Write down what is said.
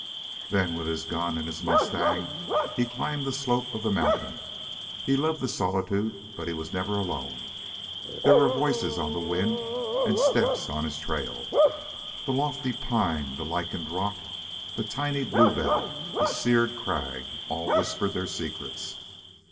Then with his gun and his mustang he climbed the slope of the mountain. He loved the solitude, but he was never alone. There were voices on the wind and steps on his trail. The lofty pine, the lichened rock, the tiny bluebell, the seared crag all whispered their secrets.